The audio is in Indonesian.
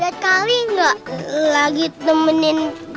lihat kali gak lagi temenin